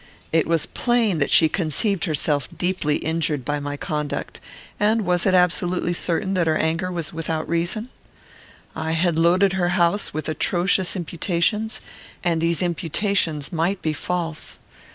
It was plain that she conceived herself deeply injured by my conduct; and was it absolutely certain that her anger was without reason? I had loaded her house with atrocious imputations, and these imputations might be false.